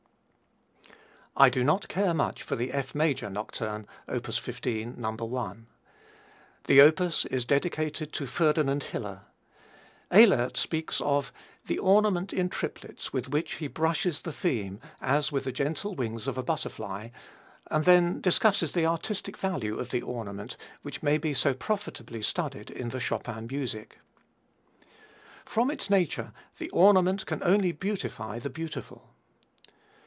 I do not care much for the F major Nocturne, op. 15, No. I. The opus is dedicated to Ferdinand Hiller. Ehlert speaks of "the ornament in triplets with which he brushes the theme as with the gentle wings of a butterfly," and then discusses the artistic value of the ornament which may be so profitably studied in the Chopin music. "From its nature, the ornament can only beautify the beautiful."